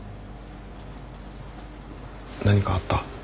何かあった？